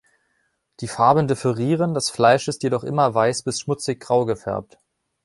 Die Farben differieren, das Fleisch ist jedoch immer weiß bis schmutzig-grau gefärbt.